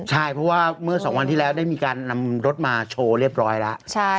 ใช่เพราะว่าเมื่อสองวันที่แล้วได้มีการนำรถมาโชว์เรียบร้อยแล้ว